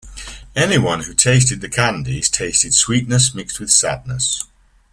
Anyone who tasted the candies tasted sweetness mixed with sadness.